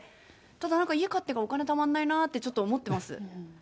ただなんか、家買ったらお金たまんないなって、ちょっと思ってます。